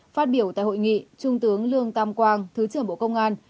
phát biểu tại hội nghị trung tướng lương tam quang thứ trưởng bộ công an